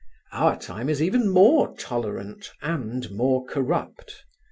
Our time is even more tolerant and more corrupt.